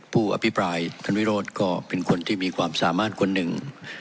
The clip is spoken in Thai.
ผู้อภิปรายท่านวิโรธก็เป็นคนที่มีความสามารถคนหนึ่ง